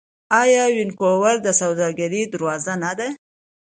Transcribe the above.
آیا وینکوور د سوداګرۍ دروازه نه ده؟